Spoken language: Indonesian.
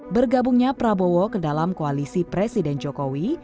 bergabungnya prabowo ke dalam koalisi presiden jokowi